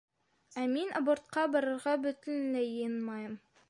Ә мин абортҡа барырға бөтөнләй йыйынмайым!